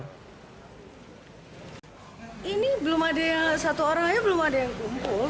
saya satu orang saja belum ada yang kumpul